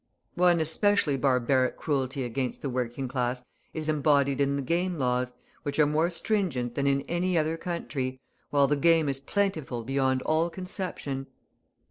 One especially barbaric cruelty against the working class is embodied in the Game Laws, which are more stringent than in any other country, while the game is plentiful beyond all conception.